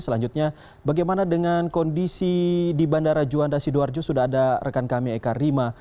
selanjutnya bagaimana dengan kondisi di bandara juanda sidoarjo sudah ada rekan kami eka rima